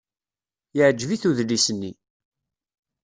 Yeɛjeb-it udlis-nni.